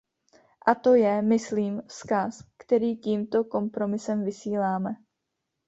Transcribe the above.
A to je, myslím, vzkaz, který tímto kompromisem vysíláme.